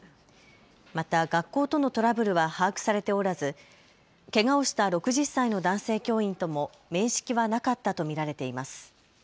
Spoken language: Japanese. また学校とのトラブルは把握されておらずけがをした６０歳の男性教員とも面識はなかったと見られています。